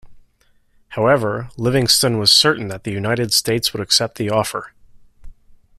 However, Livingston was certain that the United States would accept the offer.